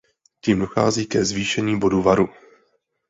Tím dochází ke zvýšení bodu varu.